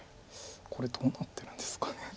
これどうなってるんですかね。